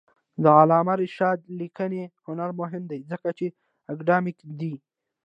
د علامه رشاد لیکنی هنر مهم دی ځکه چې اکاډمیک دی.